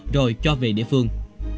rồi cho về địa phương